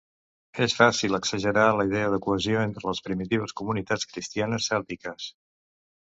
És fàcil exagerar la idea de cohesió entre les primitives comunitats cristianes cèltiques.